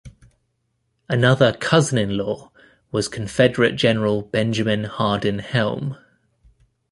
Another cousin-in-law was Confederate General Benjamin Hardin Helm.